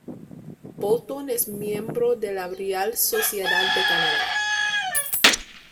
Bolton es miembro de la Real Sociedad de Canadá.